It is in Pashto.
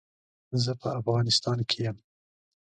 زه په افغانيستان کې يم.